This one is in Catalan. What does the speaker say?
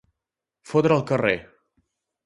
Fotre al carrer.